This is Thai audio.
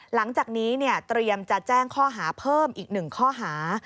หลังจากนี้เตรียมจะแจ้งข้อหาเพิ่มอีก๑ข้อหา